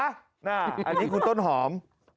อันนี้คุณต้นหอม